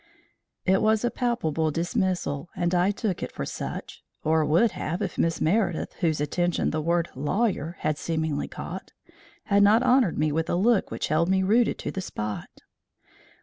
It was a palpable dismissal, and I took it for such, or would have if Miss Meredith, whose attention the word lawyer had seemingly caught, had not honoured me with a look which held me rooted to the spot.